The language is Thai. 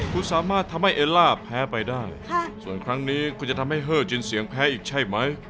คุณสามารถทำให้เอลล่าแพ้ไปได้ส่วนครั้งนี้คุณจะทำให้เฮอร์จินเสียงแพ้อีกใช่ไหม